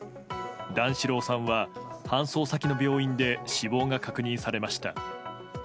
段四郎さんは搬送先の病院で死亡が確認されました。